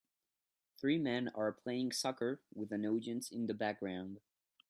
Three men are playing soccer with an audience in the background